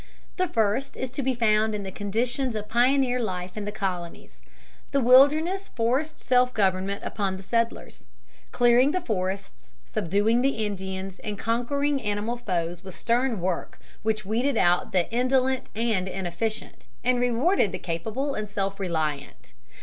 The first is to be found in the conditions of pioneer life in the colonies. The wilderness forced self government upon the settlers. Clearing the forests, subduing the Indians, and conquering animal foes was stern work, which weeded out the indolent and inefficient, and rewarded the capable and self reliant.